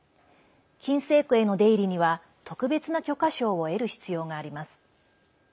禁制区への出入りには特別な許可証を得る必要があります。